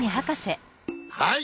はい。